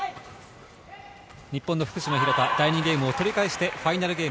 日本の福島・廣田、第２ゲームを取り返してファイナルゲーム。